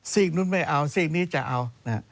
สิ่งนู้นไม่เอาสิ่งนี้จะเอา